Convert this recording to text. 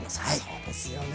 そうですよね